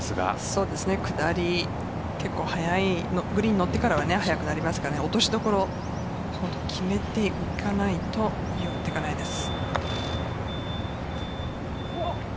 そうですね、下り結構グリーンに乗ってから速くなりますから落としどころを決めていかないと寄っていかないです。